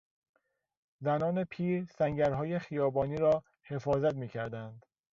زنان پیر سنگرهای خیابانی را حفاظت میکردند.